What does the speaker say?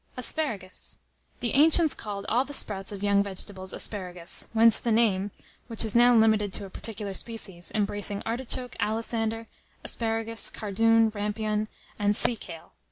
] ASPARAGUS. The ancients called all the sprouts of young vegetables asparagus, whence the name, which is now limited to a particular species, embracing artichoke, alisander, asparagus, cardoon, rampion, and sea kale.